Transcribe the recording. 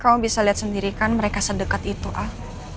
kamu bisa lihat sendiri kan mereka sedekat itu ah